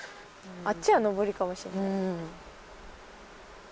あっちは上りかもしれない。